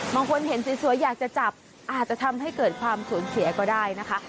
บางคนเห็นสวยอยากจะจับอาจจะทำให้เกิดความสูญเสียก็ได้นะคะ